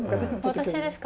私ですか？